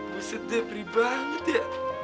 buset deh pri banget ya